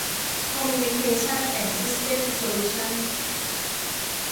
คอมมิวนิเคชั่น แอนด์ ซิสเต็มส์ โซลูชั่น